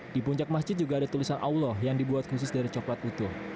di puncak masjid juga ada tulisan allah yang dibuat khusus dari coklat utuh